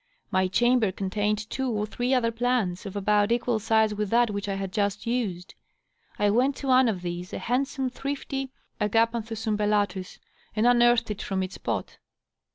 My chamber contained two or three other plants, of about equal size with that which I had just used. I went to one of these, a handsome, thrifty AgapanJthus umbeUatuSf and unearthed it from its pot.